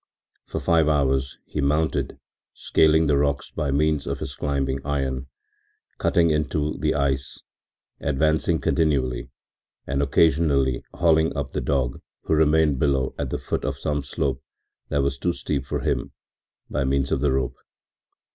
For five hours he mounted, scaling the rocks by means of his climbing irons, cutting into the ice, advancing continually, and occasionally hauling up the dog, who remained below at the foot of some slope that was too steep for him, by means of the rope.